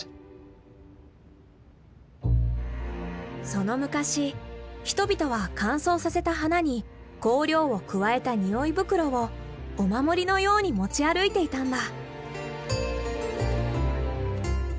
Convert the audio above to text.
その昔人々は乾燥させた花に香料を加えた匂い袋をお守りのように持ち歩いていたんだ。